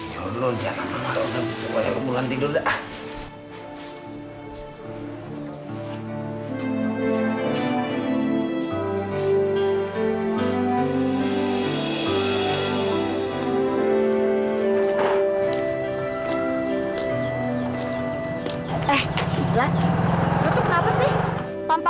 yaudah jangan lama lama